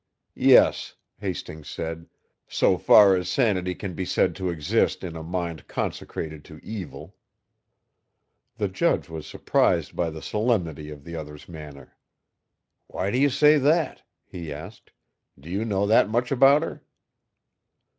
"Yes," Hastings said, "so far as sanity can be said to exist in a mind consecrated to evil." The judge was surprised by the solemnity of the other's manner. "Why do you say that?" he asked. "Do you know that much about her?"